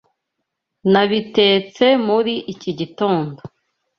Nabitetse muri iki gitondo.